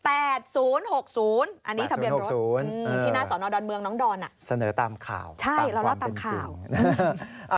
อันนี้ทำเรียนรถที่หน้าสอนอดอนเมืองน้องดอนอ่ะเสนอตามข่าวตามความเป็นจริง